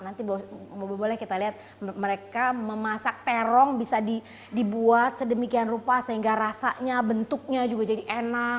nanti boleh kita lihat mereka memasak terong bisa dibuat sedemikian rupa sehingga rasanya bentuknya juga jadi enak